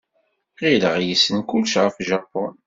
Ɣileɣ yessen kullec ɣef Japun.